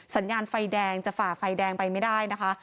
สัญญาณไฟแดงจะฝ่าไฟแดงไปไม่ได้นะคะ